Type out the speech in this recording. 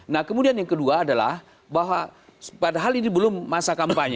nah kemudian yang kedua adalah bahwa padahal ini belum masa kampanye